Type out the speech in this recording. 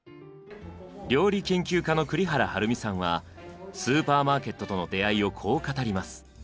料理研究家の栗原はるみさんはスーパーマーケットとの出会いをこう語ります。